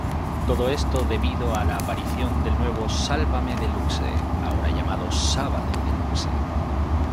Todo esto debido a la aparición del nuevo Sálvame Deluxe, ahora llamado "Sábado Deluxe".